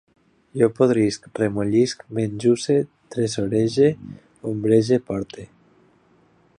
Jo podrisc, remollisc, menjusse, tresorege, ombrege, porte